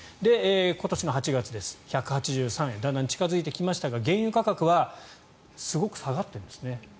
今年の８月、１８３円だんだん近付いてきましたが原油価格はすごく下がってるんですね。